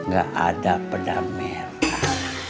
gak ada pedang merah